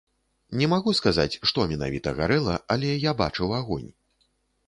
Не магу сказаць, што менавіта гарэла, але я бачыў агонь.